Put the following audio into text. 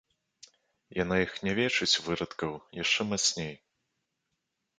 Яна іх нявечыць, вырадкаў, яшчэ мацней.